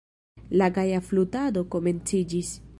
La gaja flutado komenciĝis.